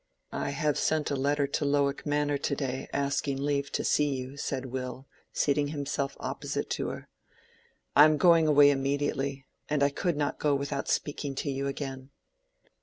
"I have sent a letter to Lowick Manor to day, asking leave to see you," said Will, seating himself opposite to her. "I am going away immediately, and I could not go without speaking to you again."